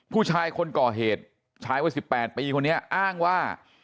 ผู้ชายคนก่อเหตุชายวัย๑๘ปีคนนี้อ้างว่า